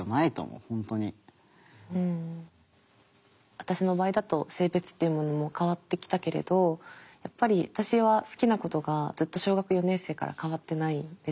私の場合だと性別っていうものも変わってきたけれどやっぱり私は好きなことがずっと小学４年生から変わってないんですよ。